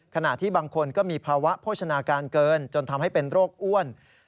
ขณะที่บางคนก็มีภาวะโภชนาการเกินจนทำให้เป็นโรคอ้วน